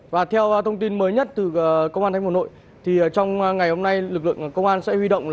và theo thông tin mới nhất từ công an thánh phục hồn nội thì trong ngày hôm nay lực lượng công an sẽ huy động